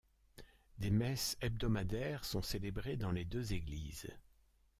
Des messes hebdomadaires sont célébrées dans les deux églises.